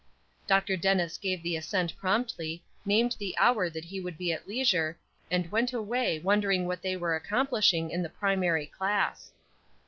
Dr. Dennis gave the assent promptly, named the hour that he would be at leisure, and went away wondering what they were accomplishing in the primary class.